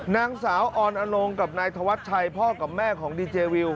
นางสาวออนอนงกับนายธวัชชัยพ่อกับแม่ของดีเจวิว